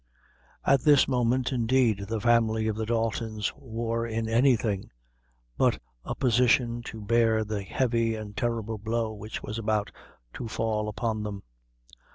At this moment, indeed, the family of the Daltons wore in anything but a position to bear the heavy and terrible blow which was about to fail upon them.